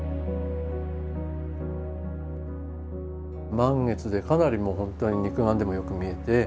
満月でかなり本当に肉眼でもよく見えて。